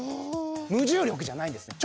無重力じゃないんですね